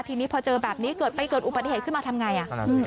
ทีนี้พอเจอแบบนี้เกิดไปเกิดอุปสรรย์ขึ้นมาทำง่าย